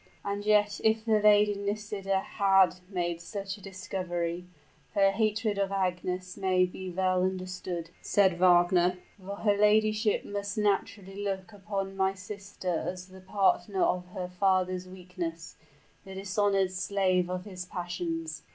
"And yet, if the Lady Nisida had made such a discovery, her hatred of Agnes may be well understood," said Wagner; "for her ladyship must naturally look upon my sister as the partner of her father's weakness the dishonored slave of his passions."